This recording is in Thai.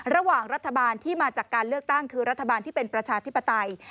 ระหว่างรัฐบาลที่มาจากการเลือกตั้งคือรัฐบาลที่เป็นประชาธิปไตย